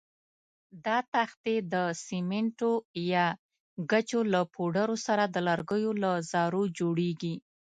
دا تختې د سمنټو یا ګچو له پوډرو سره د لرګیو له ذرو جوړېږي.